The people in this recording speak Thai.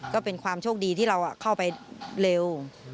ก็เป็นความโชคดีที่เราเข้าไปเร็ว